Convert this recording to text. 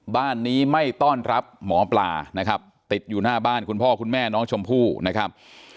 บ้านนี้ไม่ต้อนรับหมอปลานะครับติดอยู่หน้าบ้านคุณพ่อคุณแม่น้องชมพู่นะครับ